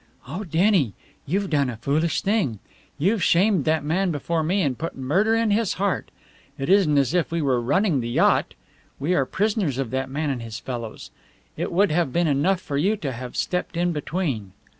"Oh, Denny, you've done a foolish thing! You've shamed that man before me and put murder in his heart. It isn't as if we were running the yacht. We are prisoners of that man and his fellows. It would have been enough for you to have stepped in between."